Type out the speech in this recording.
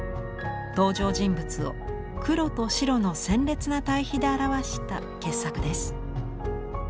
登場人物を黒と白の鮮烈な対比で表した傑作です。